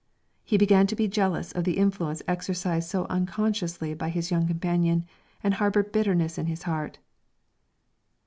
He began to be jealous of the influence exercised so unconsciously by his young companion, and harboured bitterness in his heart.